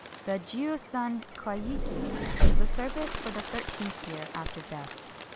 The jiu san Jcwaiki is the service for the thirteenth year after death.